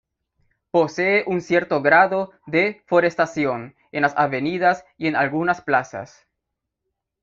Posee un cierto grado de Forestación en las avenidas y en algunas plazas.